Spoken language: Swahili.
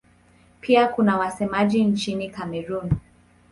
Pia kuna wasemaji nchini Kamerun.